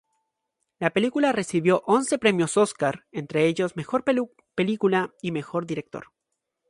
La película recibió once premios Óscar, entre ellos mejor película y mejor director.